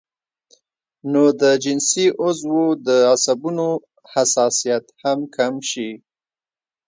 نو د جنسي عضو د عصبونو حساسيت هم کم شي